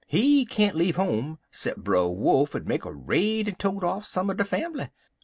He can't leave home 'cep' Brer Wolf 'ud make a raid en tote off some er de fambly.